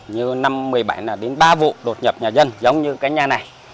như năm một mươi bảy là đến ba vụ đột nhập nhà dân giống như cái nhà này